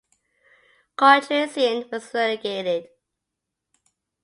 Courtraisien was relegated.